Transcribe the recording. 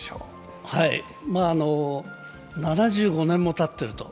７５年もたっていると。